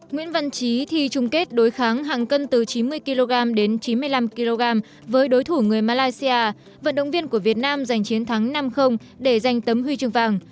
nguyễn văn trí thi trung kết đối kháng hàng cân từ chín mươi kg đến chín mươi năm kg với đối thủ người malaysia vận động viên của việt nam giành chiến thắng năm để giành tấm huy chương vàng